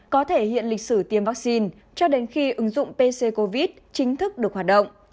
có thể hiện lịch sử tiêm vaccine cho đến khi ứng dụng pc covid chính thức được hoạt động